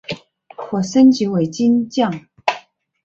可升级为金将。